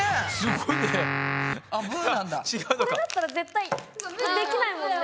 これだったら絶対できないもんね。